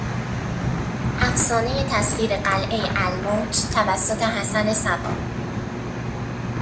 افسانهی تسخیر قلعهی الموت توسط حسن صباح